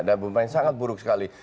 dan pemain sangat buruk sekali